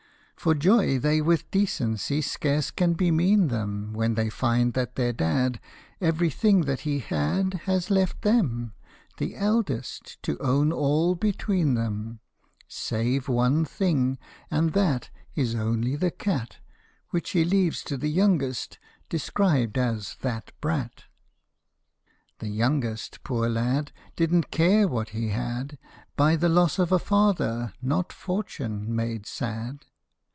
For joy they with decency scarce can bemean them When they find that their dad Every thing that he had Has left them, the eldest, to own all between them, Save one thing and that Is only the cat, Which he leaves to the youngest, described as " that brat. The youngest, poor lad ! didn't care what he had, By the loss of a father, not fortune, made sad.